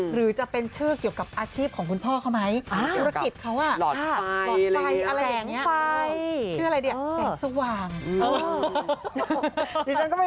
หรือจะเป็นชื่อเกี่ยวกับอาชีพของคุณพ่อเขาไหมเกี่ยวกับภารกิจเขา